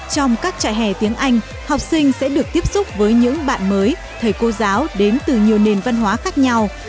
trong các trại hè tiếng anh học sinh sẽ được tiếp xúc với những bạn mới thầy cô giáo đến từ nhiều nền văn hóa khác nhau